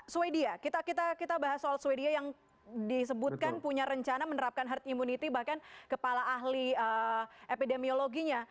sweden kita bahas soal sweden yang disebutkan punya rencana menerapkan herd immunity bahkan kepala ahli epidemiologinya